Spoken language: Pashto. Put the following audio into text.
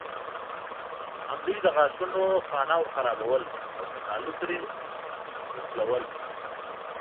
همدوی د غاښونو خانه ورخرابول او په تالو پورې نښتل.